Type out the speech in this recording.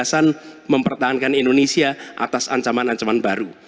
pemimpin yang menjaga kekuatan dan mempertahankan indonesia atas ancaman ancaman baru